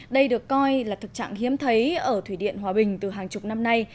đây được coi là thực trạng hiếm thấy ở thủy điện hòa bình từ hàng chục năm nay